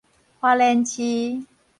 花蓮市